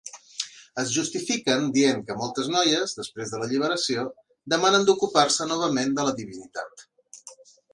Es justifiquen dient que moltes noies, després de l'alliberació, demanen d'ocupar-se novament de la divinitat.